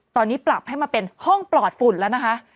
ตอนนี้ปรับให้มาเป็นห้องปลอดฝุ่นแล้วนะคะ